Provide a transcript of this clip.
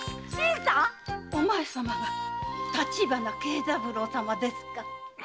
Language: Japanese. ⁉お前さまが立花慶三郎様ですか。